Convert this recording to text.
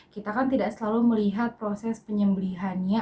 kita kan tidak selalu melihat proses penyembelihannya